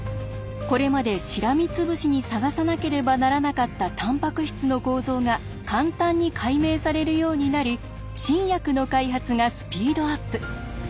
これまでしらみつぶしに探さなければならなかったタンパク質の構造が簡単に解明されるようになり新薬の開発がスピードアップ。